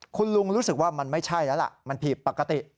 คุณลุงรู้สึกว่ามันไม่ใช่แล้วล่ะมันผิดปกติ